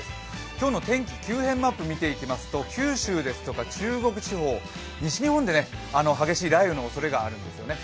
今日の天気、急変マップ見てみますと九州ですとか中国地方、西日本で激しい雷雨のおそれがあるんですね。